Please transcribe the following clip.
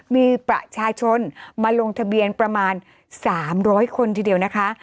มีประชาชนมาลงทะเบียนประมาณ๓๐๐คนทีเดียวนะคะ